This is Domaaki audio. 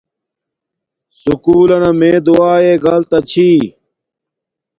سکُول لنا میے دعاݶ گلتا چھی